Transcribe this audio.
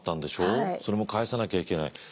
それも返さなきゃいけない。